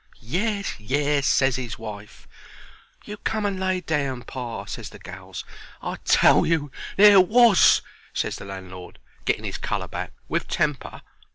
"Yes, yes," ses 'is wife. "You come and lay down, pa," ses the gals. "I tell you there was," ses the landlord, getting 'is colour back, with temper.